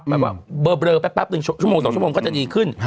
แปลว่าเบลอแป๊บ๑ชั่วโหล๒ชั่วโหลก็จะดีขึ้น